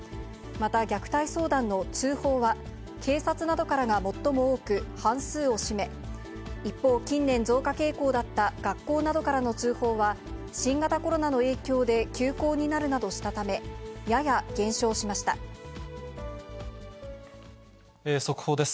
また、虐待相談の通報は、警察などからが最も多く、半数を占め、一方、近年、増加傾向だった学校などからの通報は、新型コロナの影響で、休校になるなどしたため、速報です。